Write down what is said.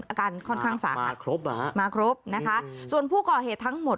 อาการค่อนข้างสาหัสครบเหรอฮะมาครบนะคะส่วนผู้ก่อเหตุทั้งหมด